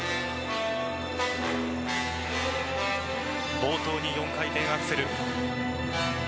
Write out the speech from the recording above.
冒頭に４回転アクセル。